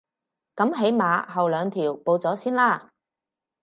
噉起碼後兩條報咗先啦